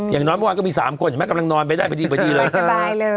อย่างน้อยเมื่อวานก็มี๓คนแม่กำลังนอนไปได้ไปดีเลย